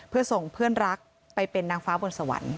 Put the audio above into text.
เพื่อส่งเพื่อนรักไปเป็นนางฟ้าบนสวรรค์